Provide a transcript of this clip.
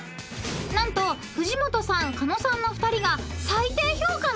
［何と藤本さん狩野さんの２人が最低評価の１に！］